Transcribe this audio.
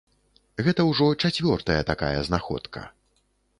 Гэта ўжо чацвёртая такая знаходка.